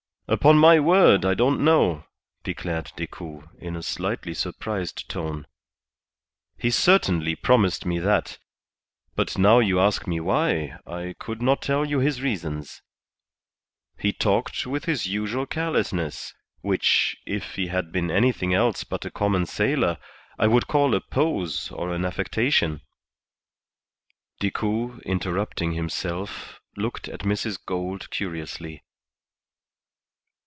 "Upon my word, I don't know," declared Decoud, in a slightly surprised tone. "He certainly promised me that, but now you ask me why, I could not tell you his reasons. He talked with his usual carelessness, which, if he had been anything else but a common sailor, I would call a pose or an affectation." Decoud, interrupting himself, looked at Mrs. Gould curiously.